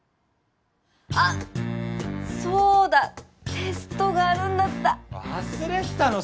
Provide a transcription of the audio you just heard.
あっそうだテストがあるんだった忘れてたの？